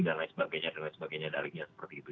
dan lain sebagainya dan lain sebagainya darinya seperti itu